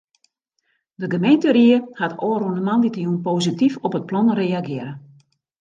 De gemeenteried hat ôfrûne moandeitejûn posityf op it plan reagearre.